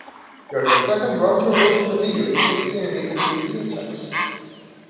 There is a second, raunchier version of the video depicting animated nudity and sex.